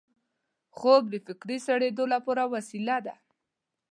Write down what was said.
خوب د فکري سړېدو لپاره وسیله ده